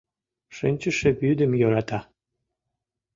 Шинчыше вӱдым йӧрата.